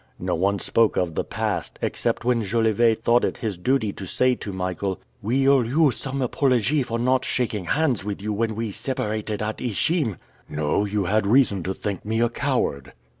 No one spoke of the past, except when Jolivet thought it his duty to say to Michael, "We owe you some apology for not shaking hands with you when we separated at Ichim." "No, you had reason to think me a coward!"